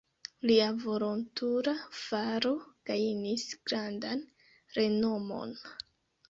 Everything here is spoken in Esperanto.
Lia volontula faro gajnis grandan renomon.